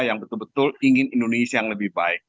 yang betul betul ingin indonesia berubah